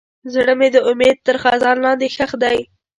زړه مې د امید تر خزان لاندې ښخ دی.